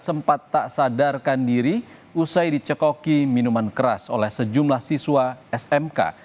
sempat tak sadarkan diri usai dicekoki minuman keras oleh sejumlah siswa smk